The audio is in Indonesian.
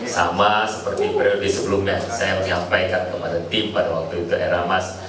sama seperti periode sebelumnya saya menyampaikan kepada tim pada waktu itu era mas